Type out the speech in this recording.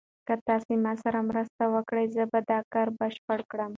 که تاسي ما سره مرسته وکړئ زه به دا کار بشپړ کړم.